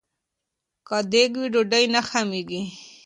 که دیګ وي نو ډوډۍ نه خامېږي.